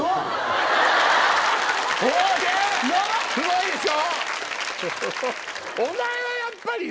すごいでしょ？